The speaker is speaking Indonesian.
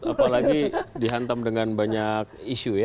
apalagi dihantam dengan banyak isu ya